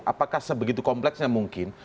apakah sebegitu kompleksnya mungkin